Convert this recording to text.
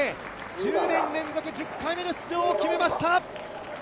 １０年連続１０回目の出場を決めました！